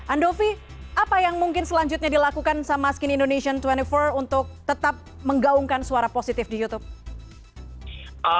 andovi apa yang mungkin selanjutnya dilakukan sama skinny indonesian dua puluh empat untuk tetap menggaungkan suara positif di youtube